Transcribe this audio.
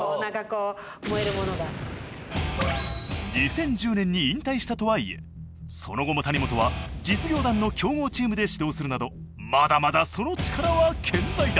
２０１０年に引退したとはいえその後も谷本は実業団の強豪チームで指導するなどまだまだその力は健在だ。